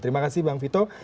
terima kasih bang vito